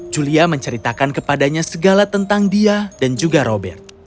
julia menceritakan kepadanya segala tentang dia dan juga robert